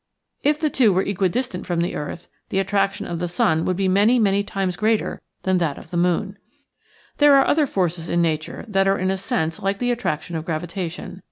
If the two were equidistant from the earth, the attrac tion of the sun would be many, many times greater than that of the moon. There are other forces in nature that are in a sense like the attraction of gravitation.